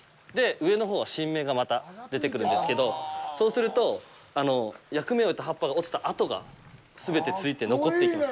上のほうは、新芽がまた出てくるんですけど、そうすると、役目を終えた葉っぱが落ちた跡が全てついて残っていきます。